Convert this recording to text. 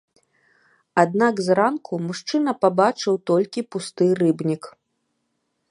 Аднак зранку мужчына пабачыў толькі пусты рыбнік.